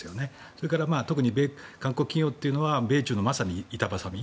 それから韓国企業というのは米中のまさに板挟み。